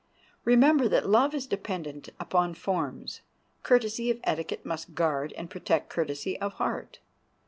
Remember that love is dependent upon forms; courtesy of etiquette must guard and protect courtesy of heart.